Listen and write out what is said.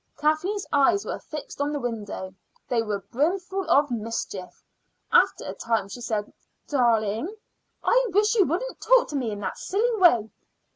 Kathleen's eyes were fixed on the window; they were brimful of mischief. After a time she said: "Darling." "I wish you wouldn't talk to me in that silly way."